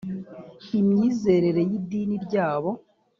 imyizerere y idini ryabo